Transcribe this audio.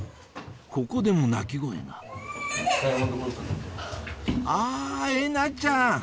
ここでも泣き声があぁえなちゃん